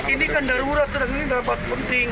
ini kan darurat ini rapat penting